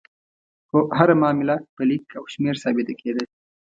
هره معامله په لیک او شمېر ثابته کېده.